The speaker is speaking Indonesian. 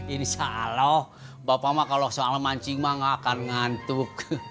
ini seolah olah bapak mah kalau soal mancing mah gak akan ngantuk